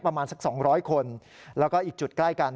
ประมาณสัก๒๐๐คนแล้วก็อีกจุดใกล้กัน